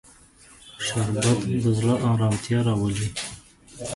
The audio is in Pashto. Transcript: شربت د زړه ارامتیا راولي